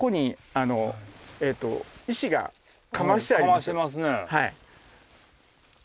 かましてますね。